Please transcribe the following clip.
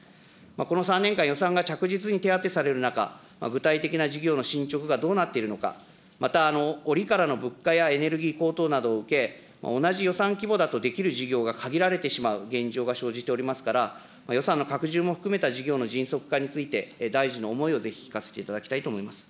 この３年間、予算が着実に手当てされる中、具体的な事業の進捗がどうなっているのか、また、折からの物価やエネルギー高騰などを受け、同じ予算規模だと、できる事業が限られてしまう現状が生じておりますから、予算の拡充も含めた事業の迅速化について、大臣の思いをぜひ聞かせていただきたいと思います。